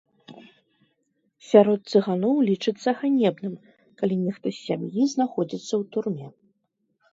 Сярод цыганоў лічыцца ганебным, калі нехта з сям'і знаходзіцца ў турме.